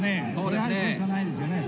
やはりこれしかないですよね。